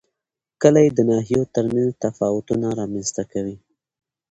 کلي د ناحیو ترمنځ تفاوتونه رامنځ ته کوي.